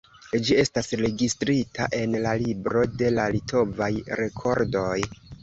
Ĝi estas registrita en la libro de la litovaj rekordoj.